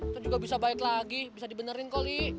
lo juga bisa baik lagi bisa dibenerin kok li